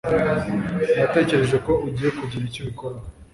natekereje ko ugiye kugira icyo ubikoraho